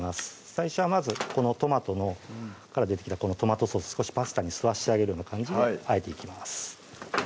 最初はまずこのトマトから出てきたこのトマトソース少しパスタに吸わせてあげるような感じであえていきます